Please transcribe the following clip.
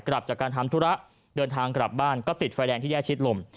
กลับจากการทำธุระเดินทางกลับบ้านก็ติดไฟแดงที่แย่ชิดลม